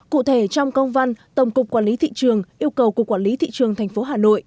cụ thể trong công văn tổng cục quản lý thị trường yêu cầu cục quản lý thị trường tp hà nội